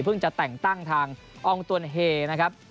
จะแต่งตั้งทางอองตวนเฮนะครับ